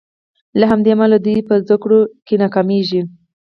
له همدې امله دوی په زدکړو کې ناکامیږي.